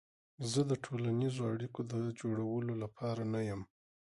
زه د ټولنیزو اړیکو د جوړولو لپاره نه یم.